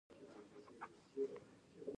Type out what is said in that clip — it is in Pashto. د کانکریټي فرش پلچکونه د ار سي سي پوښښ لري